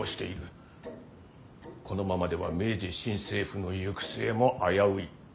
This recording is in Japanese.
このままでは明治新政府の行く末も危うい。